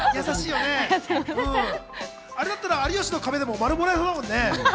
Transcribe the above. あれだったら『有吉の壁』でもマルがもらえそうだもんね。